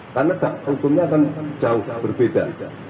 karena dampak hukumnya akan jauh berbeda